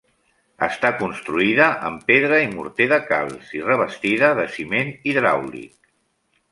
Està construïda amb pedra i morter de calç i revestida de ciment hidràulic.